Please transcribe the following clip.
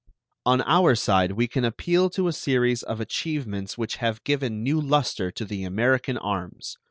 On our side we can appeal to a series of achievements which have given new luster to the American arms.